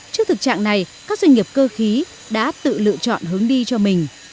trước thực trạng này các doanh nghiệp cơ khí đã tự lựa chọn hướng đi cho mình